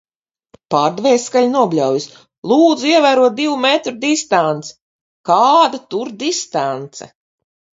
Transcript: Pārdevējs skaļi nobļaujas "Lūdzu ievērot divu metru distanci!" Kāda tur distance?